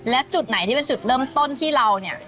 และจุดไหนที่เป็นจุดเริ่มต้นที่เราเนี่ย